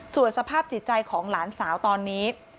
ส่วนสภาพจิตใจของหลานสาวตอนนี้